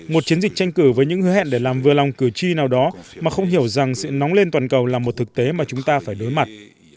một chiến dịch tranh cử với những hứa hẹn để làm vừa lòng cử tri nào đó mà không hiểu rằng sự nóng lên toàn cầu là một thực tế mà chúng ta phải đối mặt